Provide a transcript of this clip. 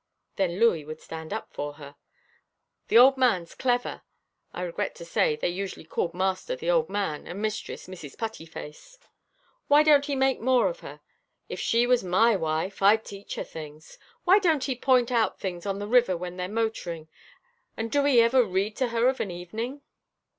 Then Louis would stand up for her. "The old man's clever (I regret to say they usually called master the old man, and mistress Mrs. Putty Face). Why don't he make more of her? If she was my wife, I'd teach her things. Why don't he point out things on the river when we're motoring, and do he ever read to her of an evening?"